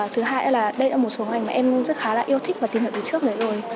thứ hai là đây là một số ngành mà em rất khá là yêu thích và tìm hiểu về trước đấy rồi